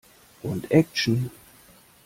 Und Action!